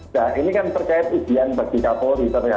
nah ini kan terkait isian bagi kapolri